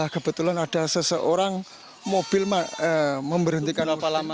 kebetulan ada seseorang mobil memberhentikan